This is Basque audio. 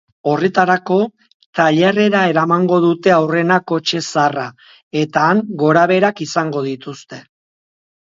Horretarako, tailerrera eramango dute aurrena kotxe zaharra eta han gorabeherak izango dituzte.